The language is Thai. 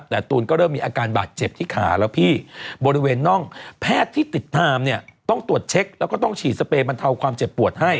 แต่ตูนก็เริ่มมีอาการบาดเจ็บที่ขาแล้วพี่บริเวณน่องแพทย์ที่ติดไทม์เนี่ยต้องตรวจเช็คแล้วก็ต้องฉีดสเปรย์บรรเทาความเจ็บปวดให้